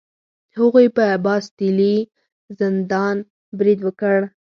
هغوی په باستیلي زندان برید وکړ.